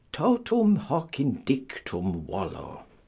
_Totum hoc indictum volo.